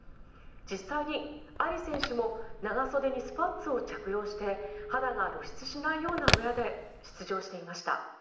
実際にアリ選手も長袖にスパッツを着用して肌が露出しないようなウェアで出場していました。